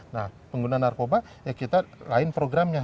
nah pengguna narkoba ya kita lain programnya